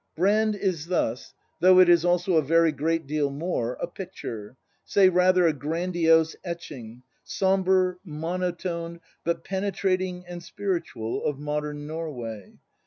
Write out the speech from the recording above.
Brand is thus, though it is also a very great deal more, a picture — say rather a grandiose etching, sombre, mono toned, but penetrating and spiritual, — of modern Norway.